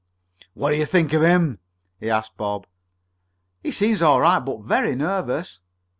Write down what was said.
"What do you think of him?" he asked Bob. "He seems all right, but very nervous."